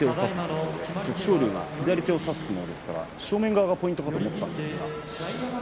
徳勝龍は左手を差す相撲ですから正面側がポイントだと思いました。